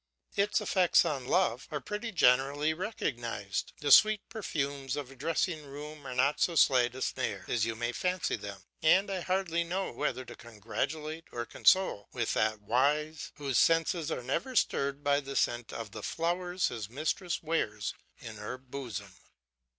Its effects on love are pretty generally recognised. The sweet perfumes of a dressing room are not so slight a snare as you may fancy them, and I hardly know whether to congratulate or condole with that wise and somewhat insensible person whose senses are never stirred by the scent of the flowers his mistress wears in her bosom.